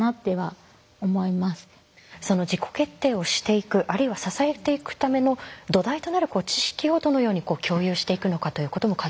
その自己決定をしていくあるいは支えていくための土台となる知識をどのように共有していくのかということも課題かと思うんですが。